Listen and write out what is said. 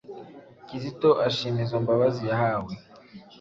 Kizito ashima izo mbabazi yahawe,